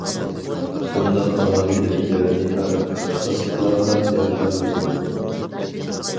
بۇنداق ئالاھىدىلىكلەرنى پەقەت ئىختىساسلىقلارلا يارىتالايدۇ.